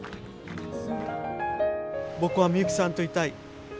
僕はミユキさんといたい。